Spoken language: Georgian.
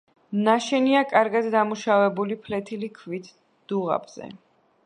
ნაშენია კარგად დამუშავებული ფლეთილი ქვით დუღაბზე.